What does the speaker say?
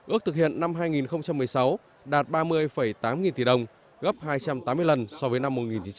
ước thực hiện năm hai nghìn một mươi sáu đạt ba mươi tám nghìn tỷ đồng gấp hai trăm tám mươi lần so với năm một nghìn chín trăm bảy mươi